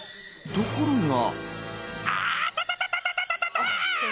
ところが。